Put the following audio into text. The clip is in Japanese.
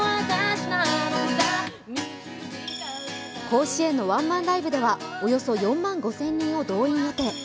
甲子園のワンマンライブではおよそ４万５０００人を動員予定。